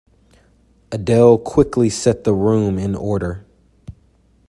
Adele quickly set the room in order.